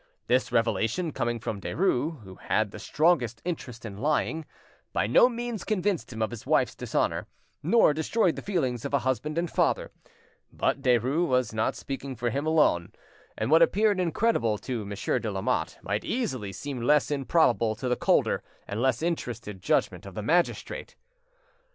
This revelation, coming from Derues, who had the strongest interest in lying, by no means convinced him of his wife's dishonour, nor destroyed the feelings of a husband and father; but Derues was not speaking for him lone, and what appeared incredible to Monsieur de Lamotte might easily seem less improbable to the colder and less interested judgment of the magistrate.